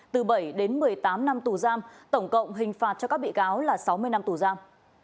từ bảy đến một mươi tám năm tù giam tổng cộng hình phạt cho các bị cáo là sáu mươi năm tù giam